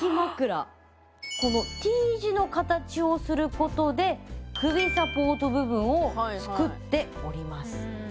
このＴ字の形をする事で首サポート部分を作っております。